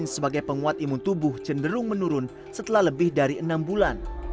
sebagai penguat imun tubuh cenderung menurun setelah lebih dari enam bulan